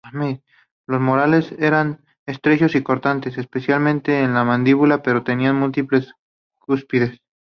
Los molares eran estrechos y cortantes, especialmente en la mandíbula, pero tenían múltiples cúspides.